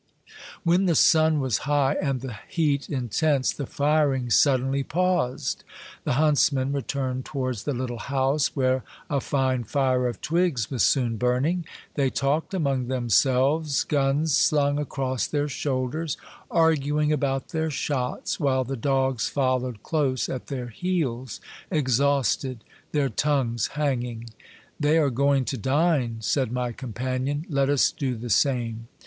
When the sun was high and the heat intense, the firing suddenly paused. The huntsmen returned towards the Httle house, where a fine fire of twigs was soon burning. They talked among themselves, guns slung across their shoulders, arguing about their shots, while the dogs followed close at their heels, exhausted, their tongues hanging. " They are going to dine," said my companion ;let us do the same."